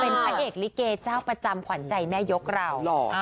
นางเอกลิเกย์เจ้าประจำขวัญใจแม่ยกเรา